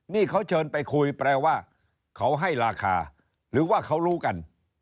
ไปคุยไหมประมาณว่าเขาให้ราคาหรือว่าเขารู้กัน